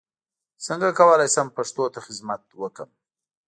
څنګه کولای شم پښتو ته خدمت وکړم